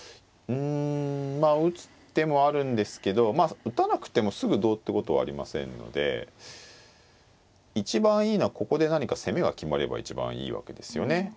うんまあ打つ手もあるんですけどまあ打たなくてもすぐどうってことはありませんので一番いいのはここで何か攻めが決まれば一番いいわけですよね。